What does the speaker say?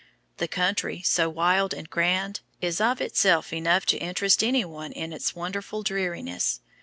The country, so wild and grand, is of itself enough to interest any one in its wonderful dreariness.